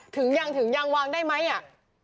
ถึงยังถึงยังวางได้ไหมอ่ะ